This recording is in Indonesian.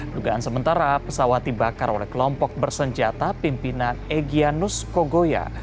dugaan sementara pesawat dibakar oleh kelompok bersenjata pimpinan egyanus kogoya